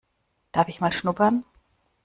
Darf ich mal schnuppern?